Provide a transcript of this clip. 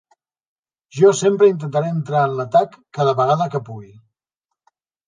Jo sempre intentaré entrar en l'atac cada vegada que pugui.